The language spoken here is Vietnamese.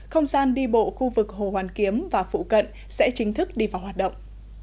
không gian đi bộ khu vực hồ hoàn kiếm và phụ cận sẽ chính thức đi vào hoạt động